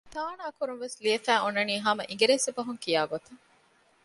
ތާނައަކުރުން ވެސް ލިޔެފައި އޮންނަނީ ހަމަ އިނގިރޭސިބަހުން ކިޔާ ގޮތަށް